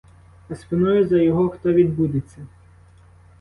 А спиною за його хто відбудеться?